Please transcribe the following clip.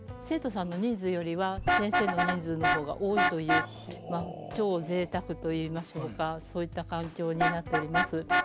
生徒さんの人数よりは先生の人数の方が多いというまあ超贅沢といいましょうかそういった環境になっております。